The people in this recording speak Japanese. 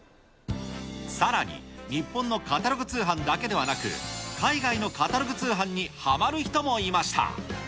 さらに、日本のカタログ通販だけではなく、海外のカタログ通販にはまる人もいました。